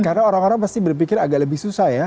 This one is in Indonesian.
karena orang orang pasti berpikir agak lebih susah ya